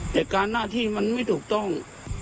แต่การหน้าที่มันไม่ถูกต้อง